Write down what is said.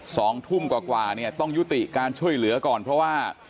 สองทุ่มกว่ากว่าเนี่ยต้องยุติการช่วยเหลือก่อนเพราะว่า